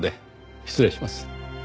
失礼します。